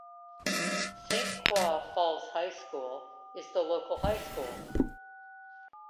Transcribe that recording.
Saint Croix Falls High School is the local high school.